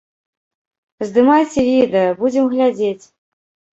Здымайце відэа, будзем глядзець!